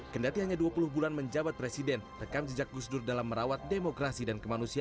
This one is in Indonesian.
kendati hanya dua puluh bulan menjabat presiden rekam jejak gus dur dalam merawat demokrasi dan kemanusiaan